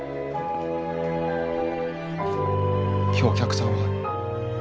今日お客さんはまさか。